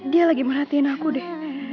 dia lagi merhatiin aku deh